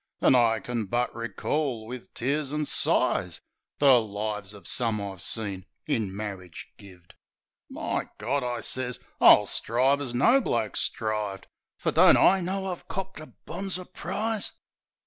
An' I kin but recall wiv tears an' sighs The lives of some I've seen in marridge gived," "My Gawd!" I sez. "I'll strive as no bloke strivved! Fer don't I know I've copped a bonzer prize?"